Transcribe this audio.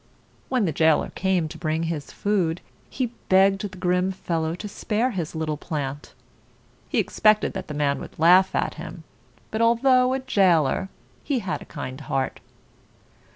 When the jailer came to bring his food, he begged the grim fellow to spare his little plant. He expected that the man would laugh at him; but al though a jailer, he had a kind heart.